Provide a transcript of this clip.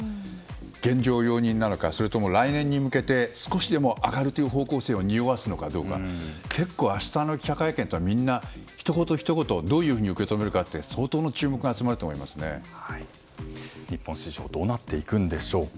現状容認なのかそれとも来年に向けて少しでも上がるという方向性をにおわすのかどうか結構、明日の記者会見はみんなひと言ひと言をどういうふうに受け止めるかって相当の注目が日本市場どうなっていくんでしょうか。